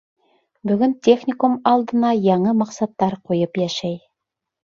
Бөгөн техникум алдына яңы маҡсаттар ҡуйып йәшәй.